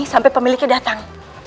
sampai pemiliknya datang